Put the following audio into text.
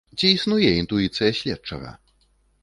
Ці існуе інтуіцыя следчага?